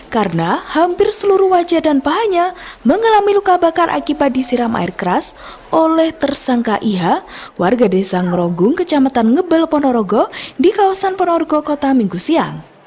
karena hampir seluruh wajah dan pahanya mengalami luka bakar akibat disiram air keras oleh tersangka i h warga desa ngerogung kecamatan ngebel ponorogo di kawasan ponorogo kota minggu siang